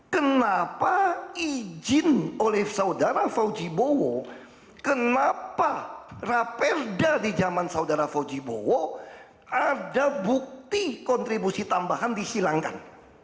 kenapa izin oleh saudara fauji bowo kenapa raperda di zaman saudara fauji bowo ada bukti kontribusi tambahan dihilangkan